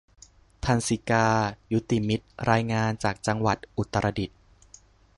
ทรรศิกา ยุติมิตร รายงานจากจังหวัดอุตรดิตถ์